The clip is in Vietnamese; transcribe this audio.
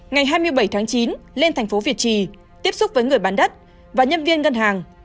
ngày hai mươi bảy tháng chín lên thành phố việt trì tiếp xúc với người bán đất và nhân viên ngân hàng